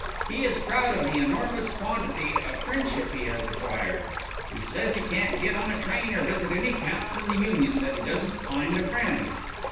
He is proud of the enormous quantity of friendship he has acquired. He says he can't get on a train or visit any town in the Union that he doesn't find a friend.